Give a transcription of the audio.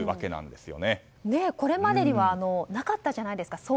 これまでにはなかったじゃないですか。